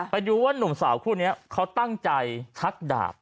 ไปดูว่านุ่มสาวคู่นี้เขาตั้งใจชักดาบ